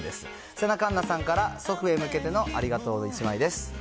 せな・かんなさんから祖父へ向けてのありがとうの１枚です。